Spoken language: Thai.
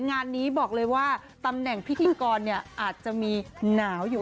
งานนี้บอกเลยว่าตำแหน่งพิธีกรเนี่ยอาจจะมีหนาวอยู่